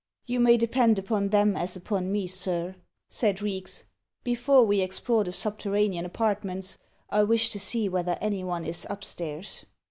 "You may depend upon them as upon me, sir," said Reeks. "Before we explore the subterranean apartments, I wish to see whether any one is up stairs."